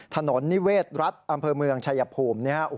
ถนนนิเวศรัฐอำเภอเมืองชายภูมิ